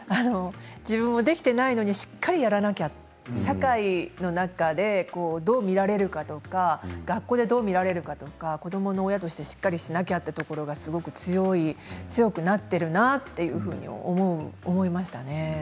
自分もできていないのでしっかりやらなきゃ社会の中で、どう見られるかとか学校でどう見られるかとか子どもの親としてしっかりしなきゃということがすごく強い強くなっているなというふうに思いましたね。